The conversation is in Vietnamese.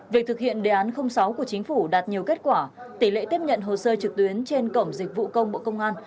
việc thực hiện đề án sáu của chính phủ đạt nhiều kết quả tỷ lệ tiếp nhận hồ sơ trực tuyến trên cổng dịch vụ công bộ công an